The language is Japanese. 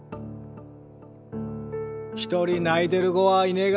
一人泣いてる子はいねが。